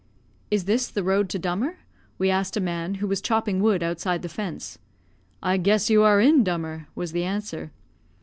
"Is this the road to Dummer?" we asked a man, who was chopping wood outside the fence. "I guess you are in Dummer," was the answer.